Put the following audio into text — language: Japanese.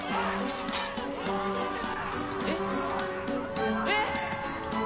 えっ？えっ！？